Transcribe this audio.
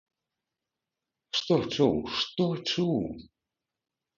Што чуў, што чуў?